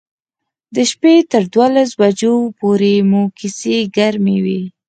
د شپې تر دولس بجو پورې مو کیسې ګرمې وې.